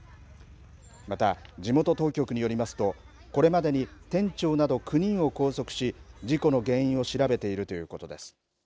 また、地元当局によりますとこれまでに店長など９人を拘束し事故の原因を調べているということです。